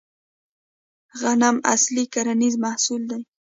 غنم اصلي کرنیز محصول دی